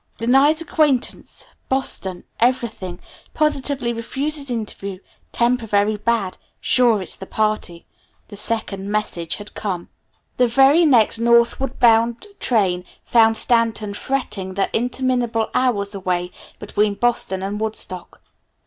"Denies acquaintance, Boston, everything, positively refuses interview, temper very bad, sure it's the party," the second message had come. The very next northward bound train found Stanton fretting the interminable hours away between Boston and Woodstock.